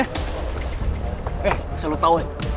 eh asal lo tau ya